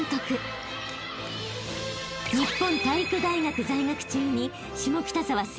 ［日本体育大学在学中に］